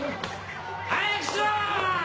早くしろ！